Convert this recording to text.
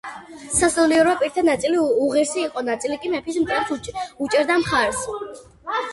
სასულიერო პირთა ნაწილი უღირსი იყო, ნაწილი კი მეფის მტრებს უჭერდა მხარს.